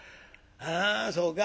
「あそうか。